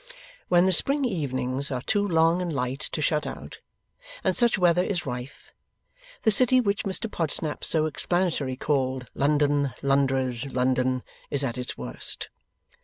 When the spring evenings are too long and light to shut out, and such weather is rife, the city which Mr Podsnap so explanatorily called London, Londres, London, is at its worst.